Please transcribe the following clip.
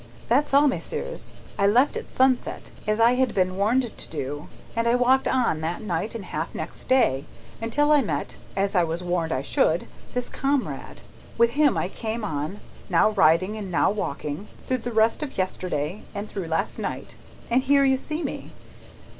"That's all, messieurs. I left at sunset (as I had been warned to do), and I walked on, that night and half next day, until I met (as I was warned I should) this comrade. With him, I came on, now riding and now walking, through the rest of yesterday and through last night. And here you see me!"